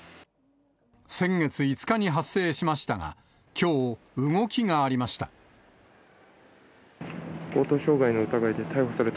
先月５日に発生しましたが、きょう、動きがありました。